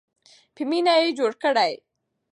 په مینه یې جوړ کړئ.